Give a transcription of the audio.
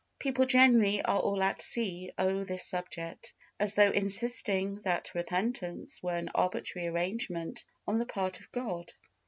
People generally are all at sea oh this subject, as though insisting that repentance were an arbitrary arrangement on the part of God.